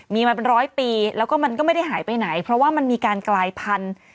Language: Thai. มีมาเป็นร้อยปีแล้วก็มันก็ไม่ได้หายไปไหนเพราะว่ามันมีการกลายพันธุ์